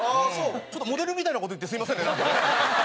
ちょっとモデルみたいな事言ってすみませんねなんか。